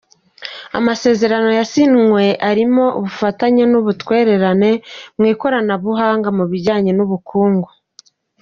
Amasezerano yasinywe arimo ubufatanye n’ubutwererane mu ikoranabuhanga mu bijyanye n’ubukungu.